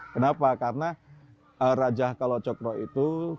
kenapa karena raja kalacakra itu